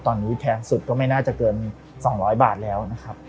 ตอนนี้แพงสุดก็ไม่น่าจะเกิน๒๐๐บาทแล้วนะครับ